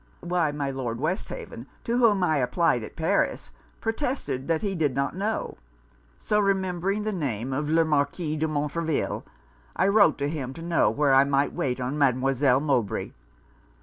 'Why my Lord Westhaven, to whom I applied at Paris, protested that he did not know; so remembering the name of le Marquis de Montreville, I wrote to him to know where I might wait on Mademoiselle Mowbray.